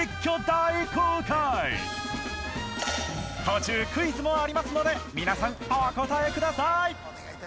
途中クイズもありますので皆さんお答えください